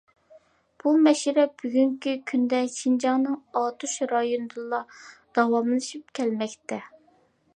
بۇ مەشرەپ بۈگۈنكى كۈندە شىنجاڭنىڭ ئاتۇش رايونىدىلا داۋاملىشىپ كەلمەكتە.